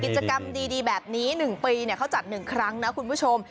กิจกรรมดีแบบนี้๑ปีเขาจัด๑ครั้งนะคุณผู้ชม